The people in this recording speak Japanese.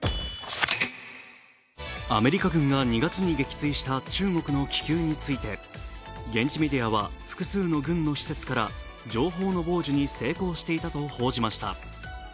アメリカ軍が２月に撃墜した中国の気球について現地メディアは複数の軍の施設から、情報の傍受に成功していたと報じました。